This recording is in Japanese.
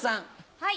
はい。